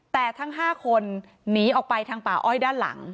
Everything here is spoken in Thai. แต่ทั้ง๕คนหนีออกไปทางป่าอ้อยด้านหลัง